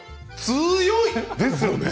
強いですよね。